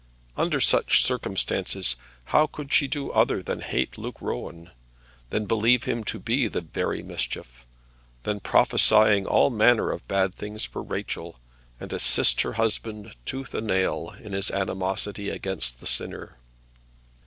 Under such circumstances how could she do other than hate Luke Rowan, than believe him to be the very Mischief, than prophesying all manner of bad things for Rachel, and assist her husband tooth and nail in his animosity against the sinner?